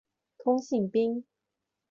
通信兵。